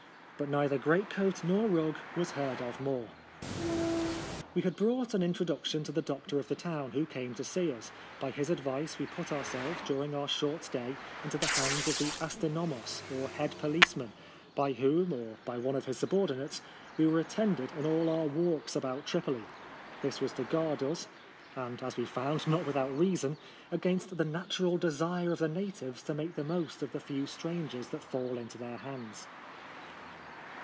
But neither greatcoat nor rug was heard of more. We had brought an introduction to the doctor of the town, who came to see us. By his advice we put ourselves, during our short stay, into the hands of the astynomos or head policeman, by whom, or by one of his subordinates, we were attended in all our walks about Tri poli. This was to guard us — and, as we found, not without reason — against the natural desire of the natives to make the most of the few strangers that fall into their hands.